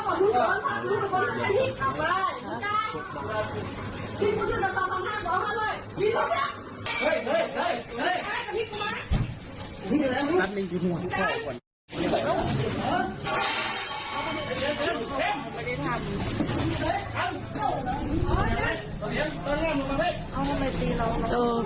รับหนึ่งทีหัว